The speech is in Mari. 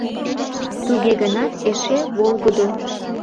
Туге гынат эше волгыдо.